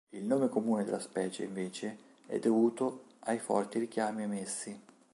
Il nome comune della specie, invece, è dovuto ai forti richiami emessi.